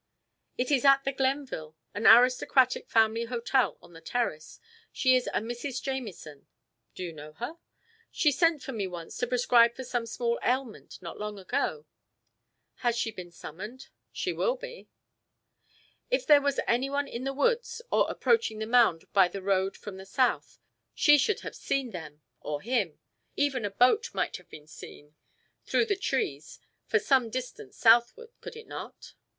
"It is at the Glenville, an aristocratic family hotel on the terrace. She is a Mrs. Jamieson." "Do you know her?" "She sent for me once to prescribe for some small ailment not long ago." "Has she been summoned?" "She will be." "If there was any one in the woods, or approaching the mound by the road from the south, she should have seen them, or him; even a boat might have been seen through the trees for some distance southward, could it not?"